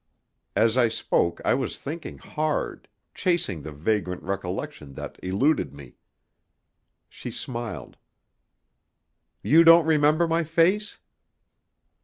As I spoke I was thinking hard, chasing the vagrant recollection that eluded me. She smiled. "You don't remember my face?"